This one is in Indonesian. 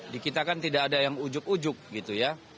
di kita kan tidak ada yang ujuk ujuk gitu ya